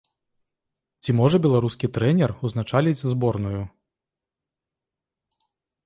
Ці можа беларускі трэнер ўзначаліць зборную?